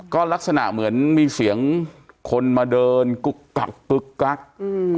ก็ลักษณะเหมือนมีเสียงคนมาเดินกุ๊กกักกึ๊กกักอืม